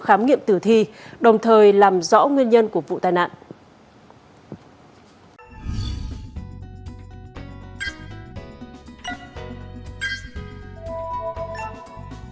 khám nghiệm tử thi đồng thời làm rõ nguyên nhân của vụ tai nạn